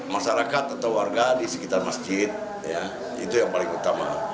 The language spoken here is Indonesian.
masyarakat atau warga di sekitar masjid itu yang paling utama